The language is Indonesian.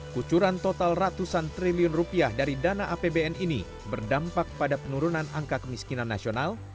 kucuran total ratusan triliun rupiah dari dana apbn ini berdampak pada penurunan angka kemiskinan nasional